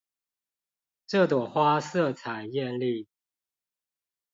這朵花色彩豔麗